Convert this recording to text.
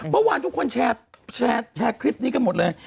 เมื่อวานทุกคนแชร์คลิปนี้กันหมดเลย